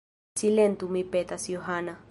Silentu, mi petas, Johana.